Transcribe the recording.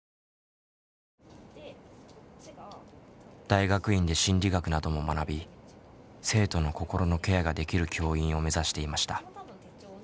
大学院で心理学なども学び生徒の心のケアができる教員を目指していました。